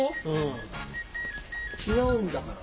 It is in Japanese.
違うんだから。